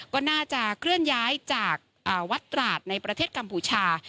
ก็น่าจะเคลื่อนย้ายจากวัดตราดในประเทศกัมพูชา